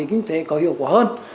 kinh nghiệm kinh tế có hiệu quả hơn